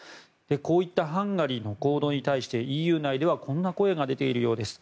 こういったハンガリーの行動に対してＥＵ内ではこんな声が出ているようです。